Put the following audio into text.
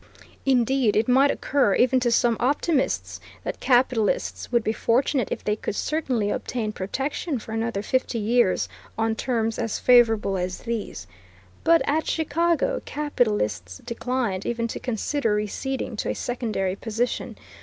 Indeed, it might occur, even to some optimists, that capitalists would be fortunate if they could certainly obtain protection for another fifty years on terms as favorable as these. But at Chicago, capitalists declined even to consider receding to a secondary position.